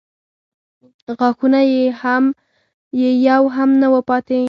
غاښونه یې يو هم نه و پاتې.